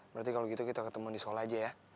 berarti kalau gitu kita ketemu di sekolah aja ya